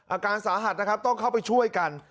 อาการสาหัสนะครับต้องเข้าไปช่วยกัน